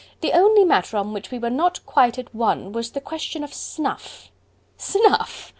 The only matter on which we were not quite at one was the question of snuff." "Snuff?"